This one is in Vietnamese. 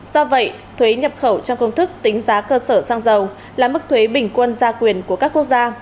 do vậy thuế nhập khẩu trong công thức tính giá cơ sở xăng dầu là mức thuế bình quân ra quyền của các quốc gia